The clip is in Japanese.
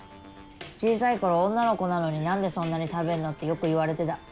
小さい頃「女の子なのに何でそんなに食べるの？」ってよく言われてた。